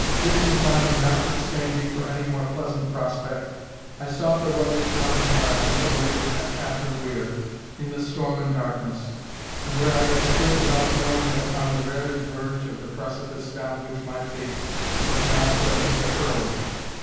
Disinclined notwithstanding for any more pleasant prospect, I sought the rugged common where I had so lately met Catherine Weir in the storm and darkness, and where I had stood without knowing it upon the very verge of the precipice down which my fate was now threatening to hurl me.